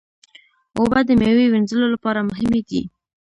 اوبه د میوې وینځلو لپاره مهمې دي.